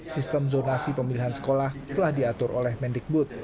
sistem zonasi pemilihan sekolah telah diatur oleh mendikbud